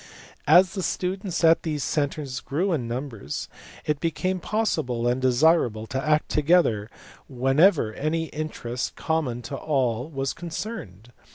As the students at these centres grew in numbers, it became possible and desirable to act to gether whenever any interest common to all was concerned.